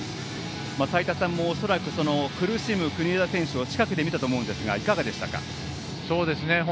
齋田さんも、恐らく苦しむ国枝選手を近くで見たと思うんですがいかがでしたか。